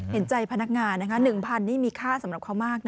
เห็นใจพนักงานนะคะ๑๐๐นี่มีค่าสำหรับเขามาก